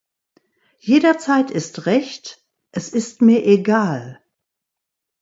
Jederzeit ist recht, es ist mir egal.